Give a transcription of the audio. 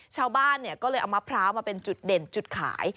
ชาวบ้านก็เลยเอามะพร้าวมาเป็นจุดเด่นจุดขาย